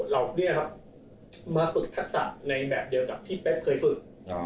เราเนี่ยครับมาฝึกทักษะในแบบเดียวกับที่เป๊บเคยฝึกอ๋อ